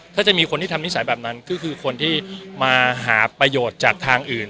ถ้าจะมีคนที่ทำนิสัยแบบนั้นก็คือคนที่มาหาประโยชน์จากทางอื่น